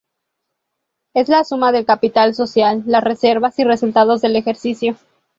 Es la suma del capital social, las reservas y resultados del ejercicio.